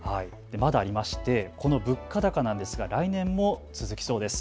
まだありましてこの物価高なんですが来年も続きそうです。